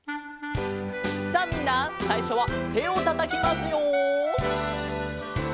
さあみんなさいしょはてをたたきますよ。